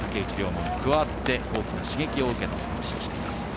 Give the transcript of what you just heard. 真も加わって大きな刺激を受けたという話をしています。